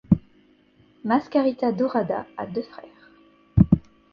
Mascarita Dorada a deux frères.